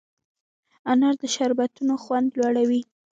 انار د شربتونو خوند لوړوي.